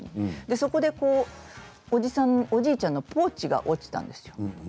そこでおじいちゃんのポーチが落ちたんですよ。